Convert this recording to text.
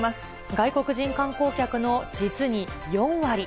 外国人観光客の実に４割。